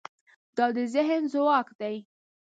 دا د ذهن ځواک دی.